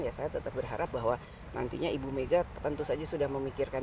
ya saya tetap berharap bahwa nantinya ibu mega tentu saja sudah memikirkan